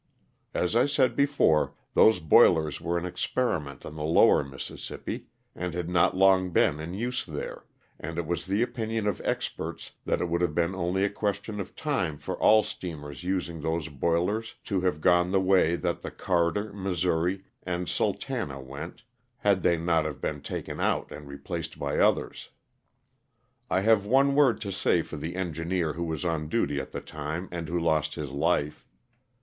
As I said before, those boil ers were an experiment on the lower Mississippi, and had not long been in use there, and it was the opinion of experts that it would have been only a question of time for all steamers using those boilers to have gone the way that the ''Carter," ''Missouri," and "SuL tana" went, had they not have been taken out and replaced by others. I have one word to say for the engineer who was on duty at the time and who lost his life.